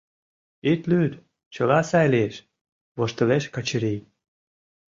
— Ит лӱд, чыла сай лиеш, — воштылеш Качырий.